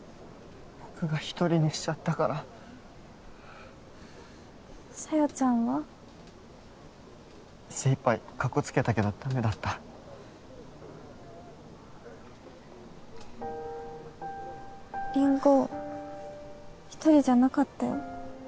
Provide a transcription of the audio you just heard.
僕が１人にしちゃったから小夜ちゃんは？精いっぱいカッコつけたけどダメだったりんご１人じゃなかったよ